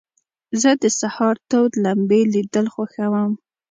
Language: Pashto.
زه د سهار تود لمبې لیدل خوښوم.